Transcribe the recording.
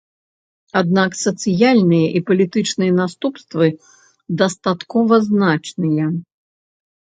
Аднак сацыяльныя і палітычныя наступствы дастаткова значныя.